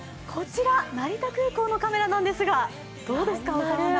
成田空港のカメラなんですが、どうですか、小沢アナ？